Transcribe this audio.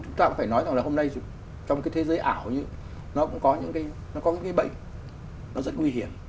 chúng ta cũng phải nói rằng là hôm nay trong cái thế giới ảo nó cũng có những cái bệnh nó rất nguy hiểm